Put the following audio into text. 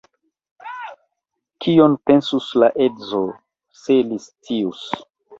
Kion pensus la edzo, se li scius?